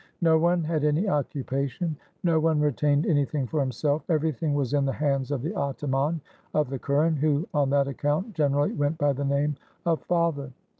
No one had any occupation; no one retained anything for himself; everything was in the hands of the ataman of the kuren, who, on that account, generally went by the name oi father.